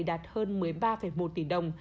đạt hơn một mươi ba một tỷ đồng